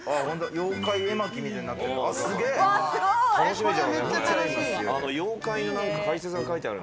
妖怪絵巻みたいになってる。